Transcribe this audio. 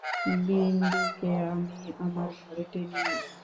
বিন্দুকে আমি আমার ঘরে টেনে নিলুম।